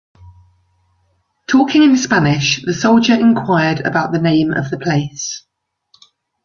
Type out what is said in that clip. Talking in Spanish, the soldier inquired about the name of the place.